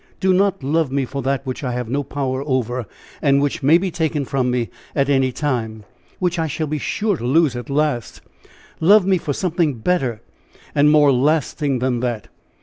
Do not love me for that which I have no power over, and which may be taken from me at any time which I shall be sure to lose at last love me for something better and more lasting than that.